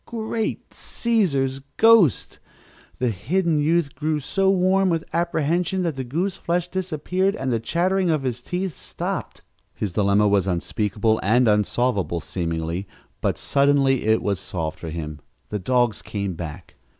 Great Cæsar's ghost! The hidden youth grew so warm with apprehension that the goose flesh disappeared and the chattering of his teeth stopped. His dilemma was unspeakable and unsolvable, seemingly, but suddenly it was solved for him. The dogs came back!